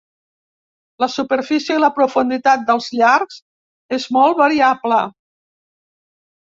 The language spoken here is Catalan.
La superfície i la profunditat dels llacs és molt variable.